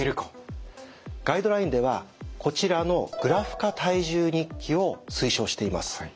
ガイドラインではこちらのグラフ化体重日記を推奨しています。